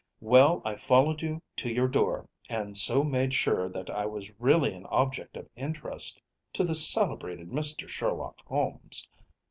“Well, I followed you to your door, and so made sure that I was really an object of interest to the celebrated Mr. Sherlock Holmes.